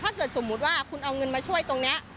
สมมุติว่าคุณเอาเงินมาช่วยตรงนี้